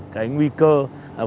cái nguy cơ này